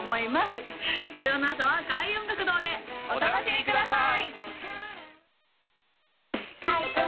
はい土曜の朝は開運音楽堂でお楽しみください！